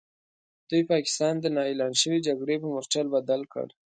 دوی پاکستان د نا اعلان شوې جګړې په مورچل بدل کړ.